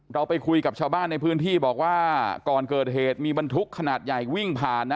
เราไปคุยกับชาวบ้านในพื้นที่บอกว่าก่อนเกิดเหตุมีบรรทุกขนาดใหญ่วิ่งผ่านนะ